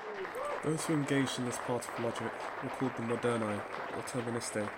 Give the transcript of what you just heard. Those who engaged in this part of logic were called the "Moderni", or "Terministae".